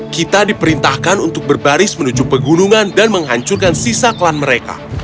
kita diperintahkan untuk berbaris menuju pegunungan dan menghancurkan sisa klan mereka